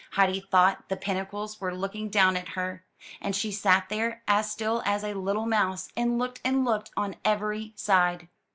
Heidi thought the pinnacles were looking down at her; and she sat there as still as a little mouse, and looked and looked on every side.